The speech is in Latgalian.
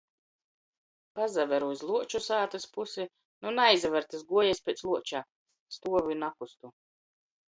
Pasaveru iz Luoču sātys pusi. Nu naizaver tys guojiejs piec luoča... Stuovu i nakustu.